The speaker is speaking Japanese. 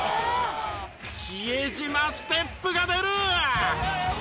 比江島ステップが出る！